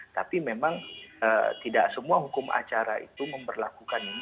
tapi memang tidak semua hukum acara itu memperlakukan ini